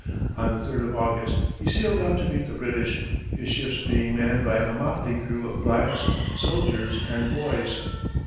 On the third of August, he sailed out to meet the British, his ships being manned by a motley crew of "blacks, soldiers, and boys."